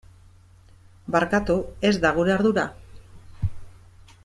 Barkatu, ez da gure ardura.